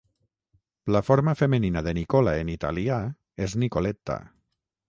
La forma femenina de Nicola en italià és Nicoletta.